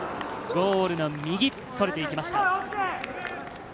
ゴールの右、それていきました。